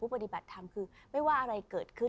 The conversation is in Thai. ปฏิบัติธรรมคือไม่ว่าอะไรเกิดขึ้น